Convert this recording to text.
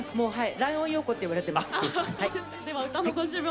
ライオン陽子っていわれます。